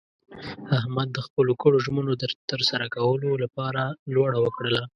احمد د خپلو کړو ژمنو د ترسره کولو لپاره لوړه وکړله.